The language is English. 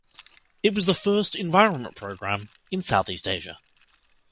It was the first environment programme in Southeast Asia.